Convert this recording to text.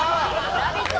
ラヴィット！